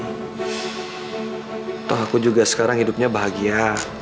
atau aku juga sekarang hidupnya bahagia